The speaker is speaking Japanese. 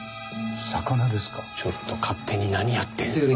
ちょっと勝手に何やってるんですか？